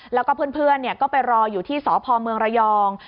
แล้วก็เพื่อนก็ไปรออยู่ที่สพเมืองระยอง